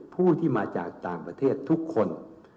ผู้ที่มาจากต่างประเทศทุกคน